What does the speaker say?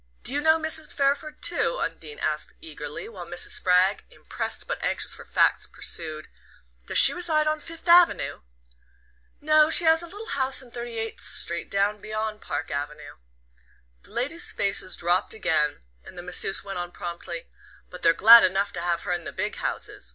"Do you know Mrs. Fairford too?" Undine asked eagerly; while Mrs. Spragg, impressed, but anxious for facts, pursued: "Does she reside on Fifth Avenue?" "No, she has a little house in Thirty eighth Street, down beyond Park Avenue." The ladies' faces drooped again, and the masseuse went on promptly: "But they're glad enough to have her in the big houses!